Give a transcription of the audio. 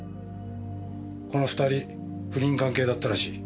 この２人不倫関係だったらしい。